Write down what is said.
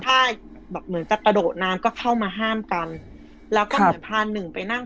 ถ้าแบบเหมือนจะกระโดดน้ำก็เข้ามาห้ามกันแล้วก็เหมือนพาหนึ่งไปนั่ง